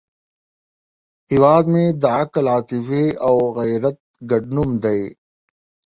هیواد مې د عقل، عاطفې او غیرت ګډ نوم دی